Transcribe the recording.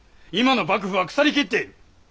今の幕府は腐り切っている。